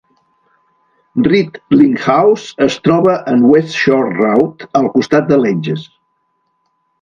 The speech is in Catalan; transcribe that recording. Reed Lighthouse es troba en West Shore Road, al costat de Ledges.